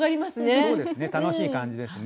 そうですね楽しい感じですね。